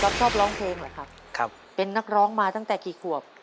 ชอบร้องเพลงเหรอครับครับเป็นนักร้องมาตั้งแต่กี่ขวบ